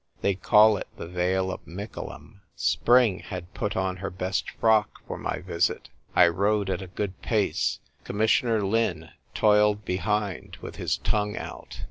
They call it the Vale of Mickleham. Spring had put on her best frock for my visit. I rode at a good pace. Commissioner Lin toiled behind, with his tongue out.